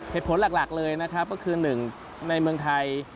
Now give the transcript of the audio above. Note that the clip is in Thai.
เหตุผลหลักเลยนะครับก็คือหนึ่งในเมืองไทย